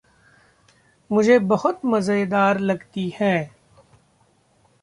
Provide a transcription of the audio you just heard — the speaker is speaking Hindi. मुझे बहुत मज़ेदार लगती है!